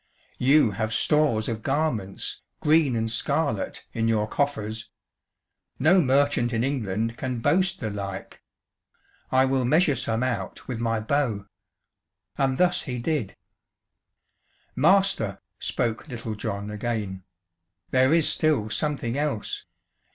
You have stores of garments, green and scarlet, in your coffers no merchant in England can boast the like. I will measure some out with my bow." And thus he did. "Master," spoke Little John again, "there is still something else.